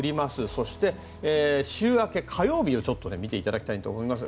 そして週明け、火曜日を見ていただきたいと思います。